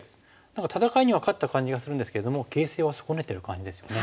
戦いには勝った感じがするんですけども形勢は損ねてる感じですよね。